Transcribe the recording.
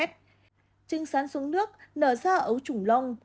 trứng sán xuống nước nở ra ở ấu trủng lông